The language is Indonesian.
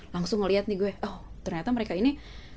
langsung ngeliat nih gue oh ternyata mereka ini